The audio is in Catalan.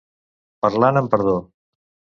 Parlant amb perdó.